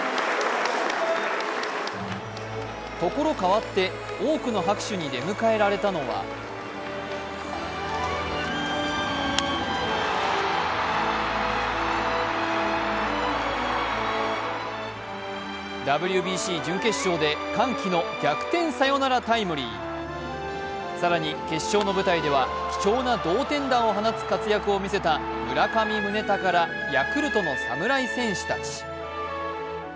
所変わって、多くの拍手に出迎えられたのはＷＢＣ準決勝で歓喜の逆転サヨナラタイムリー、更に決勝の舞台では貴重な同点弾を放つ活躍をみせた村上宗隆らヤクルトの侍戦士たち。